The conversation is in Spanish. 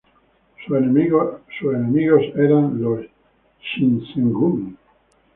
Sus enemigos eran el Shinsengumi.